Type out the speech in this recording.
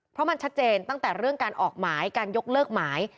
เพราะมันชัดเจนตั้งแต่เรื่องการออกหมายการยกเลิกหมาย